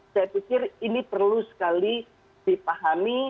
saya pikir ini perlu sekali dipahami